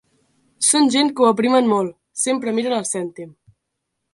Són gent que ho aprimen molt: sempre miren el cèntim.